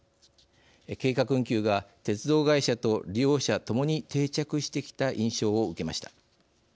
計画運休が鉄道会社と利用者ともに定着してきた印象を受けました。